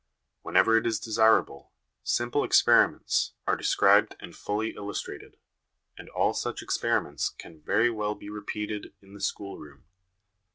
Whenever it is desirable, simple experiments are de scribed and fully illustrated, and all such experiments can very well be repeated in the schoolroom.